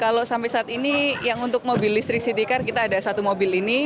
kalau sampai saat ini yang untuk mobil listrik city car kita ada satu mobil ini